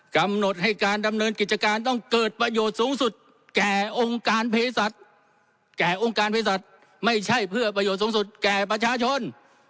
กำหนดให้การดำเนินกิจการต้องเกิดประโยชน์สูงสุดแก่องค์การเพศัตริย์แก่องค์การเพศัตริย์ไม่ใช่เพื่อประโยชน์สูงสุดแก่ประชาชน